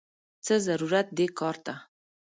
څه ضرورت دې کار ته!!